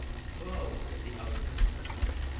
"So," said the other, sympathetically.